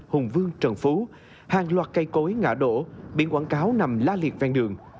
hùng vương trần phú hàng loạt cây cối ngã đổ biển quảng cáo nằm la liệt ven đường